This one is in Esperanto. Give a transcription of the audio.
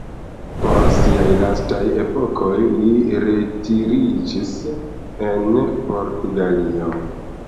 Por siaj lastaj epokoj li retiriĝis en Portugalio.